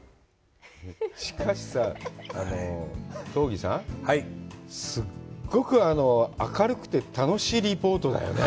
しかしさ、刀義さん、すっごく明るくて楽しいリポートだよね。